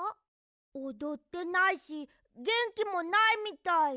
おどってないしげんきもないみたい。